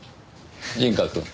陣川くん。